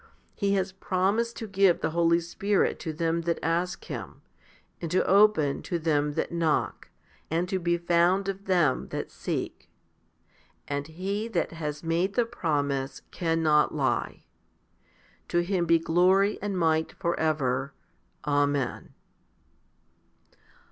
He has promised to give the Holy Spirit to them that ask Him? and to open to them that knock, and to be found of them that seek, 2 and He that has made the promise cannot lie. To Him be glory and might for ever. Amen.